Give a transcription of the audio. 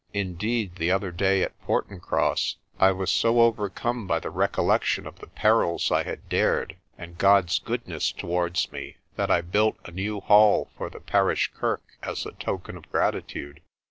Indeed, the other day at Portincross I was so over come by the recollection of the perils I had dared and God's goodness towards me that I built a new hall for the parish kirk as a token of gratitude.